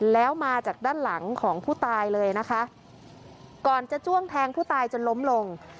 แล้วมาจากด้านหลังของผู้ตายเลยนะคะก่อนจะจ้วงแทงผู้ตายจนล้มลง